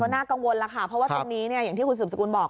น่ากังวลแล้วค่ะเพราะว่าตรงนี้อย่างที่คุณสืบสกุลบอก